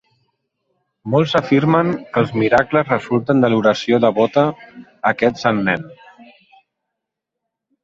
Molts afirmen que els miracles resulten de l'oració devota a aquest Sant Nen.